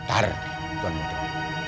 tar tuan muda